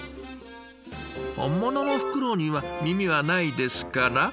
本物のフクロウには耳はないですから。